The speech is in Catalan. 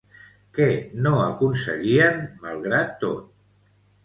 Què no aconseguien malgrat tot?